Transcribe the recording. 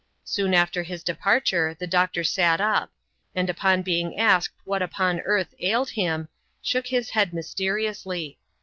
Soon after his departure, the doctor sat up; and upon being asked what upon earth ailed him, shook his head myste riously.